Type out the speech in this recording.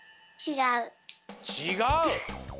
ちがう？